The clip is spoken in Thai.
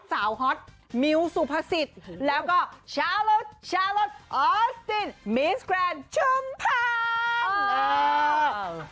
เจ้าฮอตมิวสุพสิตแล้วก็ชาวรถชาวรถออสตินมีนส์แกรนด์ชุมพันธ์